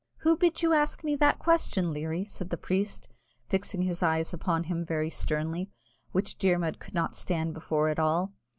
"Who bid you ask me that question, Leary?" said the priest, fixing his eyes upon him very sternly, which Dermod could not stand before at all.